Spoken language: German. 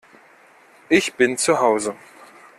Ich bin zu Hause